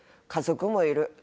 家族もいる。